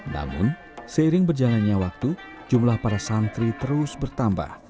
namun seiring berjalannya waktu jumlah para santri terus bertambah